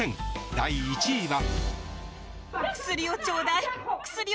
第１位は。